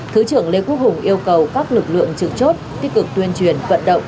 thứ trưởng lê quốc hùng yêu cầu các lực lượng trực chốt tích cực tuyên truyền vận động